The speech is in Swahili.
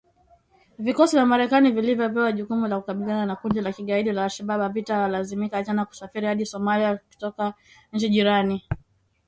Vikosi vya Marekani vilivyopewa jukumu la kukabiliana na kundi la kigaidi la Al Shabab havitalazimika tena kusafiri hadi Somalia kutoka nchi jirani.